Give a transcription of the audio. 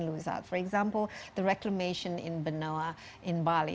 contohnya reklamasi di benoa bali